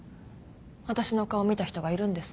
私の顔見た人がいるんですか？